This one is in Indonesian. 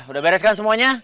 sudah beres kan semuanya